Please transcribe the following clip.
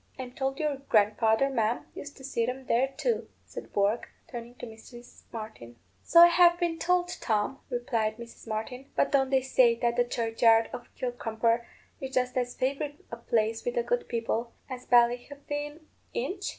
I'm told your grandfather, ma'am, used to see 'em there too," said Bourke, turning to Mrs. Martin. "So I have been told, Tom," replied Mrs. Martin. "But don't they say that the churchyard of Kilcrumper is just as favourite a place with the good people as Ballyhefaan inch?"